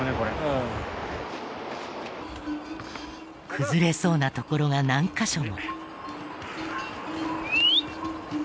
崩れそうな所が何カ所も。